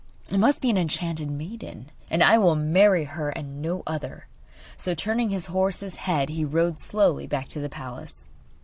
It must be an enchanted maiden, and I will marry her and no other.' So, turning his horse's head, he rode slowly back to his palace.